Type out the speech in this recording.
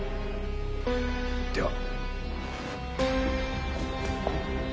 では。